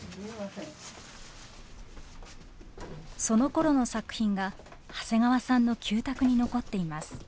そのころの作品が長谷川さんの旧宅に残っています。